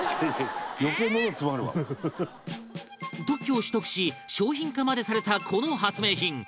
特許を取得し商品化までされたこの発明品